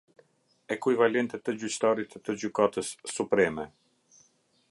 Ekuivalente të gjyqtarit të Gjykatës Supreme.